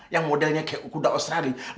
yang modelnya kayak kuda australia